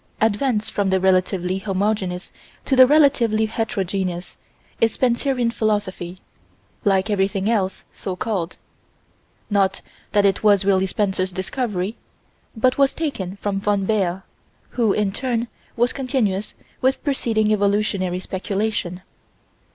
Advance from the relatively homogeneous to the relatively heterogeneous is Spencerian Philosophy like everything else, so called: not that it was really Spencer's discovery, but was taken from von Baer, who, in turn, was continuous with preceding evolutionary speculation.